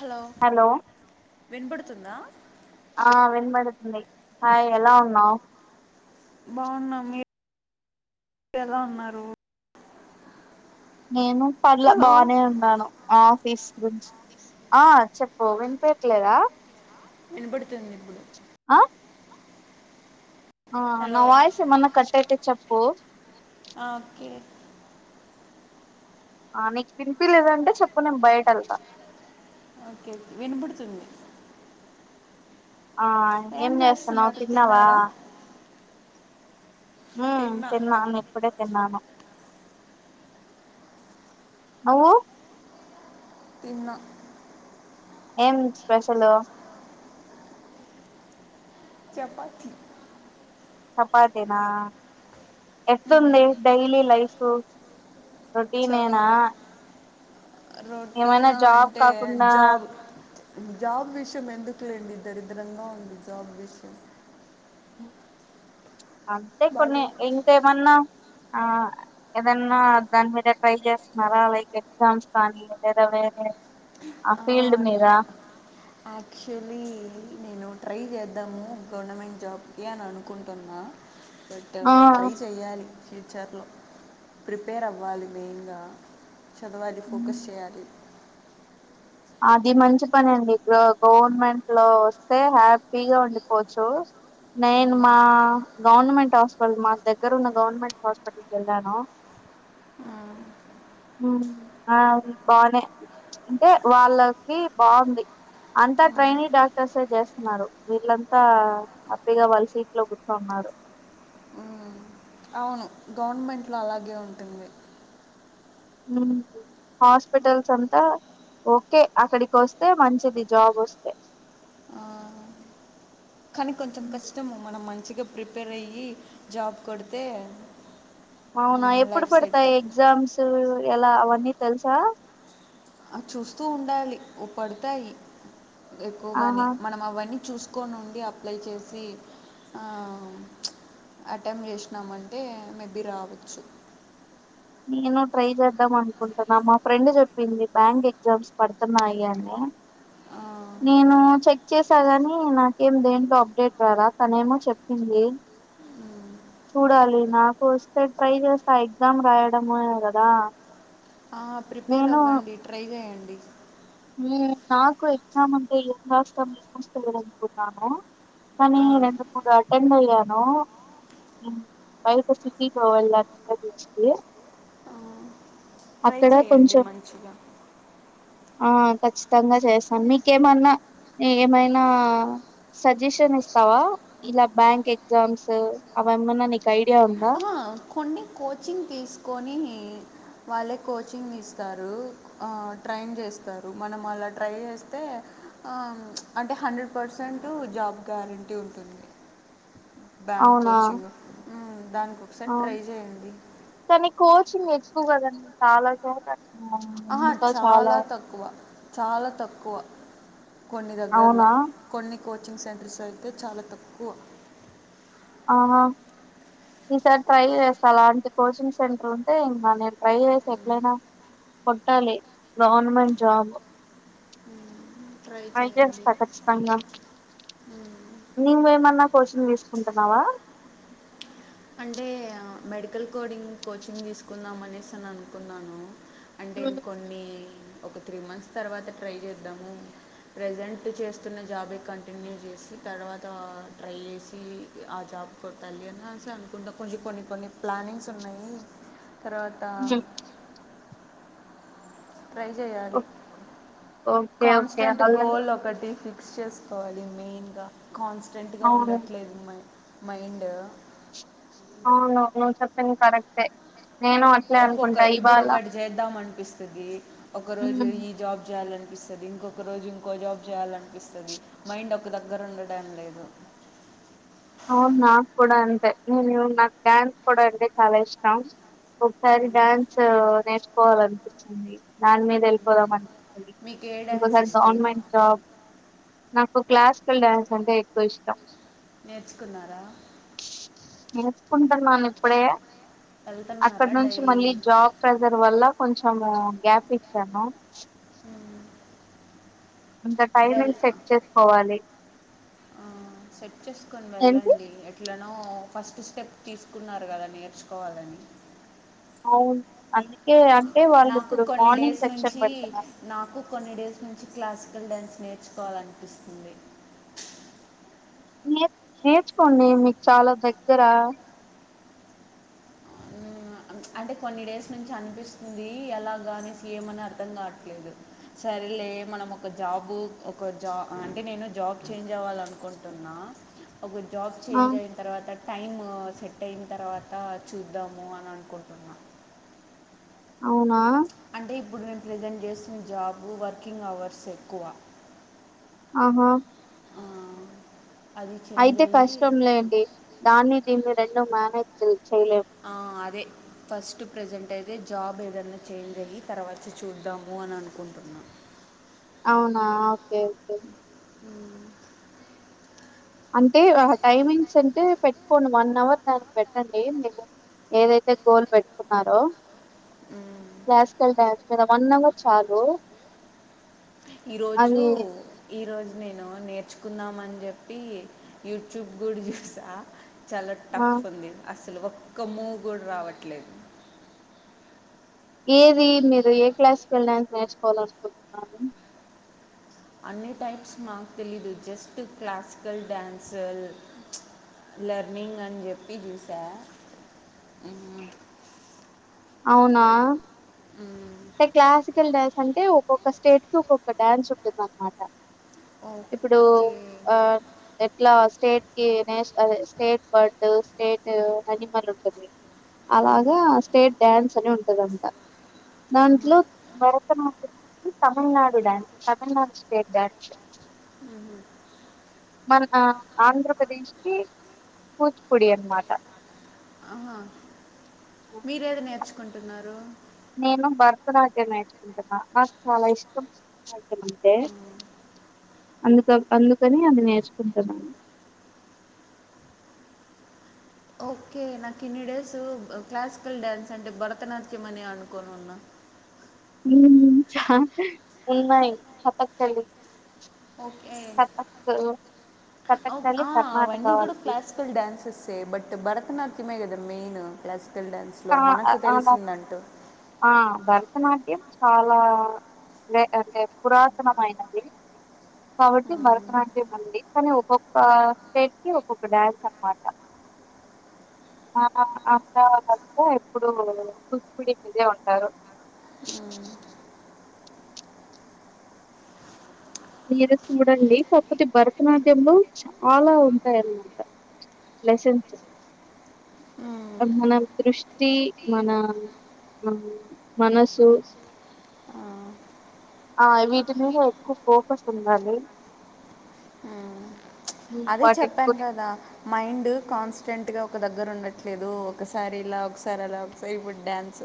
Hello వినపడుతు తుంద ఆ వినపడుతుంది హాయ్ ఎలా ఉన్నావు బాగున్నాం మీరు ఎలా ఉన్నారు నేను పర్ లా హలో బానే ఉన్నాను ఆఫీస్ గుంచి ఆ చెప్పు వినిపియట్లేదా వినపడుతుంది ఇప్పుడు ఆ ఆ నా హలో వాయిస్ ఏమన్నా కటైతే చెప్పు ఆ, ఓకే ఆ నీకు పినిపిలేదంటే చెప్పు నేను బయట వెళ్తా ఓకే వినబడుతుంది ఆ ఏం చేస్తున్నావ్ చేస్తున్నారు తిన్నావా తిన్నారా ఉమ్ తిన్నా ఇప్పుడే తిన్నాను నువ్వు తిన్నా ఏం స్పెషలు చపాతి చపాతీనా ఎట్లుంది డైలీ లైఫు రొటీన్ చాలా ఏనా రొటీనా అంటే కాకుండా జాబ్ జాబ్ విషయం ఎందుకులేండి దరిద్రంగా ఉంది జాబ్ విషయం అంతే కొన్ని బాగాలేదు ఇంకాేమన్నా ఆ ఏదన్నా దాని మీద ట్రై చేస్తున్నారా లైక్ ఎగ్జామ్స్ కానీ లేదా వేరే ఆ ఫీల్డ్ మీద ఆక్చువలీ నేను ట్రై చేద్దాము గవర్నమెంట్ జాబ్కి అని అనుకుంటున్నాను పెట్టా ఆ ట్రై చెయాలి ఫ్యూచర్లో ప్రిపేర్ అవ్వాలి మెయిన్గా చదవాలి ఫోకస్ చేయాలి అది మంచి పని అండి గ గవర్నమెంట్ లో వస్తే హ్యాపీగా ఉండిపోవచ్చు నేను మా గవర్నమెంట్ హాస్పిటల్ మా దగ్గర ఉన్న గవర్నమెంట్ హాస్పిటల్కి వెళ్ళాను మ్మ్, హుమ్ ఆ బానే అంటే వాళ్ళకి బాగుంది అంతా ట్రైని డాక్టర్సే చేస్తున్నారు వీళ్ళంతా హ్యాపీగా వాళ్ళ సీట్ లో కూర్చున్నారు మ్మ్. అవును గవర్నమెంట్ లో అలాగే ఉంటుంది ఉమ్ హాస్పిటల్స్ అంతా ఓకే అక్కడికి వస్తే మంచిది జాబ్ వస్తే ఆ, కానీ కొంచెం హ్మ్. కష్టము మనం మంచి గా ప్రిపేర్ అయ్యి జాబ్ కొడితే అవునా ఎప్పుడు లైఫ్ సెట్ పడతాయి ఎగ్జామ్స్ ఎలా అవన్నీ తెలుసా ఆ చూస్తూ ఉండాలి పడతాయి ఎక్కువగానే ఆహా మనం అవన్నీ చూస్ తీసుకో నుండి అప్లై చేసి అటెంప్ట్ చేసినామంటే మేబీ రావచ్చు నేను ట్రై చేద్దాం అనుకుంటున్నా మా ఫ్రెండ్ చెప్పింది బ్యాంక్ ఎగ్జామ్స్ పడుతున్నాయి అని నేను చెక్ చేసా కాని నాకేం దేంట్లో అప్డేట్ రదా తనేమో చెప్పింది చూడాలి నాకు వస్తే ట్రై చేస్తా ఎగ్జామ్ రాయడము ఏ కదా ఆ ప్రిపేర్ నేను అవ్వండి ట్రై చేయండి డి నాకు ఎగ్జామ్ అంటే ఏం రాస్తాం ఏం వస్తుంది అనుకున్నాను కానీ రెండు మూడు అటెమ్ అండ్ అయ్యాను బయట సిటీలో వెళ్ళానుంత చూసి ట్రై చె్యడి మంచిగా ఆ ఖచ్చితంగా చేస్తాను మీకేమన్నా ఏమైనా సజెషన్ ఇస్తావా ఇలా బ్యాంక్ ఎగ్జామ్స్ అవేమన్నా నీకు ఐడియా ఉందా ఆ, కొన్ని కోచింగ్ తీసుకొని వాళ్ళే కోచింగ్ ఇస్తారు ట్రైన్ చేస్తారు మనం అలా ట్రై చేస్తే అంటే హండ్రెడ్ పర్సెంట్ జాబ్ గ్యారంటీ ఉంటుంది బ్యాంక్ అవునా కోచింగ్ ఉమ్ దానికు ఆ కానీ కోచింగ్ ఎక్కువ కదండి చాల సేపే ఆహ చాలా తక్కువ చాలా తక్కువ కొన్ని దగ్గర్లా అవునా కొన్ని కోచింగ్ సెంటర్స్ అయితే చాలా తక్కువ ఆ ఈసారి ట్రై చేస్తా అలాంటి కోచింగ్ సెంటర్ ఉంటే ఇంకా నేను ట్రై చేసి ఎట్లైనా కొట్టాలి గవర్నమెంట్ జాబ్ ట్రై చేస్తా ఖచ్చితంగా మ్మ్. నువ్వేమన్నా కోచింగ్ తీసుకుంటున్నావా అంటే మెడికల్ కోడింగ్ కోచింగ్ తీసుకుందాం అనేసి అని అనుకున్నాను అంటేఇం ఉమ్ కొన్ని ఒక త్రీ మంత్స్ తర్వాత ట్రై చేద్దాము ప్రజెంట్ చేస్తున్న జాబే కంటిన్యూ చేసి తర్వాత ఆ ట్రై చేసి ఆ జాబ్ కొట్టాలి అని అనేసిశాను కుండ కొన్ని కొన్ని ప్లానింగ్స్ ఉన్నాయి తర్వాత ట్రై చేయాలి ఓకే ఓకే కాన్స్టెంట్ అలా గోల్ ఒకటి ఫిక్ కస్ చేసుకోవాలి మెయిన్గా కాన్స్టెంట్గా అవును ఉండట్లేదు అమ్మాయి మైండ్ అవును నువ్ చెప్పిను కరెక్టే నేను అట్లే ఒక్కొక్క అనుకుంటా ఇప్పుడు ఇవాళ ఒకటి చేద్దాం అనిపిస్తుది ఒక రోజు ఉమ్, ఈ జాబ్ చేయాలని అనిపిస్తది ఇంకొక రోజు ఇంకో జాబ్ చేయాలనిపిస్తది మైండ్ ఒక దగ్గర ఉండడం లేదు అవును నాకు కూడా అంతే నేను నాకు డ్యాన్స్ కూడా అంటే చాలా ఇష్టం ఒకసారి మ్మ్. డ్యాన్స్ నేర్చుకోవాలి అనిపిించింది దాని మీద మ్మ్. వెళ్ళిపోదాం అనిపిస్తది మీకు ఏ డ్యాన్స్ ఇంకోసారి ఇష్టం గవర్నమెంట్ జాబ్ నాకు క్లాసికల్ డాన్స్ అంటే ఎక్కువ ఇష్టం నేర్చుకున్నారా నేర్చుకుంటున్నాను ఇప్పుడే అక్కడ వెళ్తున్నారా నుంచి డైలీ మళ్ళీ జాబ్ ప్రెజర్ వల్ల కొంచెము గ్యాప్ ఇచ్చాను ఇంత టైమింగ్ సెట్ చేసుకోవాలి ఆ సెట్ చేసుకొని ఏంటి వెళ్ళండి ఎట్లా మం ఫస్ట్ స్టెప్ తీసుకున్నారు కదా నేర్చుకోవాలని అవును అందుకే వాళ్ళు నాకు ఇప్పుడు కొన్ని మార్నింగ్ డేస్ సెక్షన్ నుంచి పెడుతున్నారు నాకు కొన్ని డేస్ నుంచి క్లాస్ బల్ డ్యాన్స్ నేర్చుకోవాలనిపిస్తుంది నేర్ నేర్చుకోండి మీకు చాలా దగ్గర అంటే కొన్ని డేస్ నుంచి అనిపిస్తుంది ఎలాగానేసి ఏమని అర్థం కావట్లేదు సరేలే మనం ఒక జాబు ఒక జా అంటే నేను జాబ్ ఛేంజ్ అవ్వాల అనుకుంటున్నా ఒక జాబ్ ఆ చేంజ్ అయిన తర్వాత టైము సెట్ అయిన తర్వాత చూద్దాము అని అనుకుంటున్నా అవునా అంటే ఇప్పుడు నేను ప్రజెంట్ చేస్తున్న జాబు, వర్కింగ్ అవర్స్ ఎక్కువ. ఆ హా ఆ, అది చేంజ్ అయితే అయ్యి కష్టం లేండి దాన్ని దీన్ని రెండు మ్యానేజ్ ఆ అదే ఫస్ట్ ప్రజెంట్ అయితే జాబ్ ఏదన్నా చేంజ్ అయ్యీ తర్వాత చూద్దాము అని అనుకుంటున్నా అవునా ఓకే ఓకే మ్మ్ అంటే ఆ టైమింగ్స్ అంటే పెట్టుకోండి వన్ అవర్ దానికి పెట్టండి. మీరు ఏదైతే గోల్ పెట్కున్నారో క్లాసికల్ డాన్స్ వన్ అవర్ చాలూ ఈ రోజూ ఈ రోజు నేను నేర్చుకుందామని చెప్పి యూట్యూబ్ కూడ చూసా చాల ఆ టఫ్ ఉంది అస లు ఒక్క మూవ్ కూడ రావట్లేదు ఏది మీరు ఏ క్లాస్కికల్ డాన్స్ నేర్చుకోవాలనుకుంటున్నారు అన్ని టైప్స్ మాకు తెలీదు జస్ట్ క్లాసికల్ డ్యాన్స్ ప్చ్ లెర్నింగ్ అని చెప్పి చూసా మ్మ్ అవునా టే క్లాసికల్ డ్యాన్స్ అంటే ఒక్కొ ఒక్క స్టేట్ కి ఒక్కొక్క డ్యాన్స్ ఉంటుందన్న మాట ఇప్పుడు ఓకే ఆ ఎట్లా స్టేట్ కి నేష్ అదే స్టేట్ బర్డు, స్టేట్ అనిమల్ ఉంటుంది అలాగా డాన్స్ అని ఉంటదంట దాంట్లో భరతనాట్యం అనీ తమిళ్నాడు డా తమిళ్నాడు స్టేట్ బ్యాచ్ మ్మ్ హ్మ్ మరి మా ఆంధ్రప్రదేశ్ కి కూచిపూడి అన్నమాట ఆ హా మీరేడ నే ర్చుకుంటున్నారు నేను భరతనాట్యం నేర్చుకుంటున్నా. నాకు చాల ఇష్టం ఎమంటే అందుక అందుకని అది నేర్చుకుంటున్నాను ఓకే నాకు ఇన్ని డేస్ క్లాసికల్ డ్యాన్స్ అంటే భరతనాట్యం అని అనుకోని ఉన్న హ్మ్ ఛ ఉన్నాయి కథక్ కల్లి ఓకే ఓ కథకళి కర్ణాటక అవన్నీ కూడా వాళ్ళకి క్లాసికల్ డ్యన్స్ ఎ బట్ భరతనాట్య ఈమె గద మెయిన్ ప్లస్ ఆ ఆ భరతనాట్యం చాలా నే అంటే పురాతనమైనది కాబట్టి ఉమ్. భరతనాట్యం ఉంది కానీ ఒక్కొక్క స్టేట్ కి ఒక్కొక్క డ్యాన్స్ అనమాట అ ఉ ఇప్పుడు కూచిపూడి వినే ఉంటారు మీరు చూడండి కాపోతే భరతనాట్యంలో చాలా ఉంటాయిన్నమాట లెసన్స్ మన దృష్టి మన ఆ మనసు ఆ. ఆ వీటి మీద ఎక్కువ ఫోకస్ ఉండాలి మ్మ్. హ్మ్. అదే వాటిని గు చెప్పాను కదా మైండ్ కాన్స్ ఫ్రెంట్గా ఒక దగ్గర ఉండట్లేదు ఒకసారి ఇలా ఒకసారి అలా ఒకసారి ఇప్పుడు డ్యాన్స్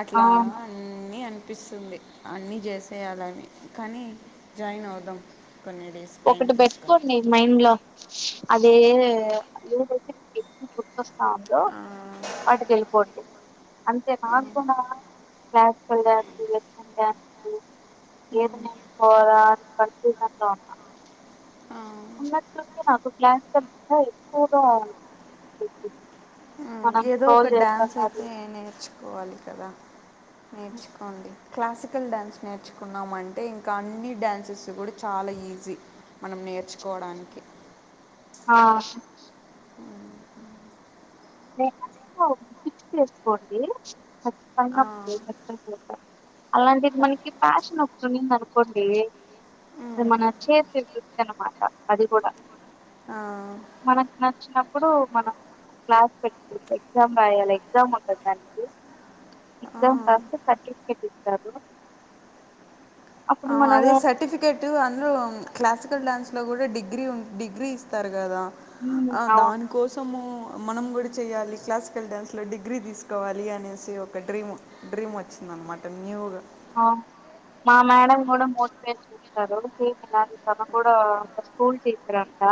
అట్లా అవును. అన్నిీ అ అనిపిస్తుంది అన్నీ చేసేయాలని కానీ జాయిన్ అవుదాం కొన్న డేస్ టైం తీసుకోని మైండ్ లో అదే ఏదైతే ఎ బుక్ వస్తాందో ఆ, వాటికి వెళ్ళిపోండి అంతే ఆ, నాకు కూడా క్లాసికల్ డ్యాన్సు వెస్టరన్ డ్యాన్సు మ్మ్, ఏదరా అని కన్ఫ్యూజన్ లో ఉ అ ఆ. నాకు క్లాస్ డ్యాన్స్ ఎక్కువగా మనం ఏదో స్క్రోల్ ఒక చేస్తాం డ్యాన్స్ అది అయితే నేర్చుకోవాలి కదా నేర్చుకోండి క్లాసికల్ డ్యాన్స్ నేర్చుకున్నామ అంటే ఇంకా అన్ని డ్యాన్సెస్ కూడా చాలా ఈజీ మనం నేర్చుకోవడానికి ఆ నే ఫిక్స ఫిక్స్ చేసుకోండి ఆ, ఖచ్చితంగా అలాంటిది హ- మనకి ఫ్యాషన్ ఒకటింది అనుకోండి అది ఉమ్, మన చేసింది అనమాట అది కూడా ఆ, మనకు నచ్చినప్పుడు మనం క్లా ట్టు ఎగ్జామ్ రాయాలి ఎగ్జామ్ ఉండ దానికి ఆ, ఎగ్జామ్ రాస్తే సర్టిఫికెట్ ఇస్తారు అప్పుడు అదే మనము సర్టిఫికేట్ అందూ క్లాసికల్ డ్యాన్స్ విట్టిలో కూడా డిగ్రీ ఉ డిగ్రీ ఇస్తారు కదా మ్మ్ ఆ అవును దానికోసము మనం కూడా చేయ్యాలి క్లాసికల్ డ్యాన్స్లో డిగ్రీ తీసుకోవాలి అనేసి ఒక డ్రీమ్ డ్రీమ్ వచ్చిందనమాట న్యూగా మా మేడం కూడా మోటివేట్ చేస్తారు సేమ్ ఇలాగ తను కూడా ఒక స్కూల్ టీచర్ అంట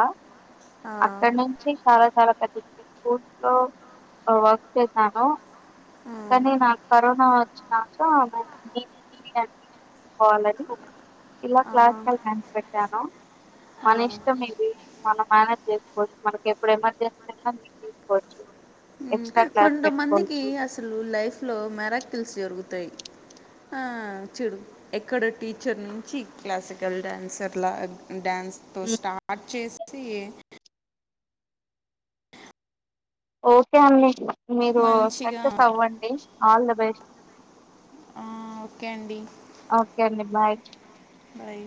అక్కడ నుంచి చాలా చాలా పెద్ద పెద్ద స్కూల్స్ లో వర్క్ చేశాను ఆ, కానీ నాకు కరోనా వచ్చినాక నేను తీసుకోవాలని ఇలా ఆ, క్లాస్ డ్యాన్స్ పెట్టాను మన ఇష్టం ఇది మనం మేనేజ్ చేసుకోవచ్చు మనకి ఎప్పుడు ఎమర్జెన్సీ ఉంద నేను తీసుకోవచ్చు ఎక్స్ట్రా క్లాస్ కొంతమందికి పెట్టుకోవచ్చు అసలు లైఫ్ లో మెారక్కిల్స్ జరుగుతుంది ఆ చెడు ఎక్కడ టీచర్ నుంచి క్లాసికల్ డ్యాన్సర్లా డ్యాన్స్ తో హ్మ్. స్టార్ట్ చేసి సేయ్ ఏ ఓకే అని మీరు మంచిగా సక్సెస్ అవ్వండి ఆల్ ద బెస్ట్ ఆ, ఓకే అండి ఓకే అండి బాయ్ బాయ్